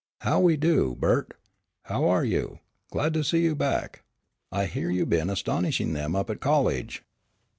"Why, how de do, Bert, how are you? Glad to see you back. I hear you have been astonishing them up at college."